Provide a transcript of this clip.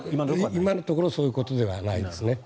今のところそういうわけではないですね。